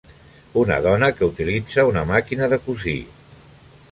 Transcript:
Una dona que utilitza una màquina de cosir.